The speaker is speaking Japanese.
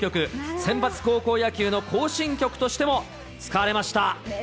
センバツ高校野球の行進曲としても使われました。